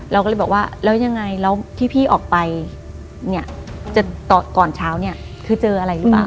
เราก็เลยบอกว่าแล้วยังไงแล้วที่พี่ออกไปเนี่ยจะก่อนเช้าเนี่ยคือเจออะไรหรือเปล่า